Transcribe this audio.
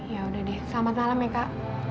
ya udah deh selamat malam ya kak